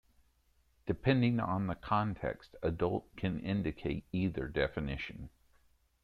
Depending on the context, "adult" can indicate either definition.